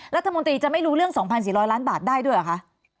รัฐมนตรีจะไม่รู้เรื่อง๒๔๐๐ล้านบาทได้ด้วยเหรอคะ